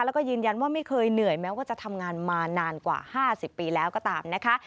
แล้วก็ยืนยันว่าไม่เคยเหนื่อยแม้ว่าจะทำงานมานานกว่า๕๐ปีแล้วก็ตามนะคะ